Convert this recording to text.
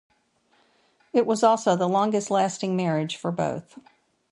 It was also the longest-lasting marriage for both.